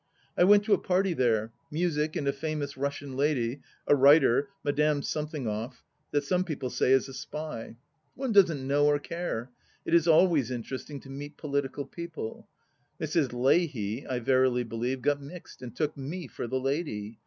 I went to a party there — ^music and a famous Russian lady, a writer, Madame Something off I that some people say is a spy. ... One doesn't know or care: it is always interesting to meet political people. Mrs. Leahy, I verily believe, got mixed, and took me for the lady.